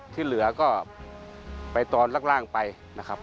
ที่เหลือก็ไปตอนล่างไปนะครับ